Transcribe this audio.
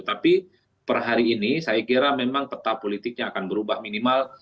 tapi per hari ini saya kira memang peta politiknya akan berubah minimal